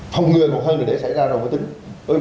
không người còn hơn để xảy ra rồi mới tính